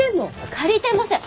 借りてません！